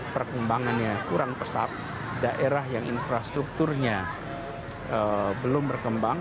perkembangannya kurang pesat daerah yang infrastrukturnya belum berkembang